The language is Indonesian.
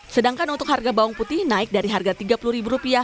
sedangkan untuk harga bawang putih naik dari harga rp tiga puluh